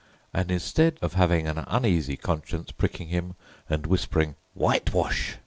And instead of having an uneasy conscience pricking him and whispering "whitewash!"